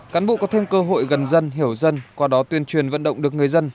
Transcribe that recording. cán bộ có thêm cơ hội gần dân hiểu dân qua đó tuyên truyền vận động được người dân